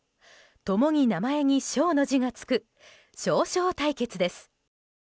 共に名前に翔の字がつく翔翔対決です。